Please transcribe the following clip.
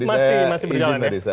masih berjalan ya